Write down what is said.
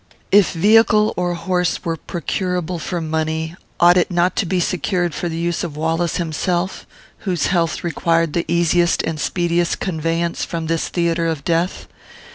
If vehicle or horse were procurable for money, ought it not to be secured for the use of Wallace himself, whose health required the easiest and speediest conveyance from this theatre of death?